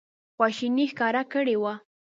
خواشیني ښکاره کړې وه.